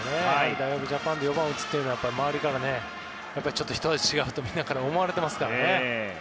大学ジャパンで４番を打つというのは、周りから一味違うとみんなから思われてますからね。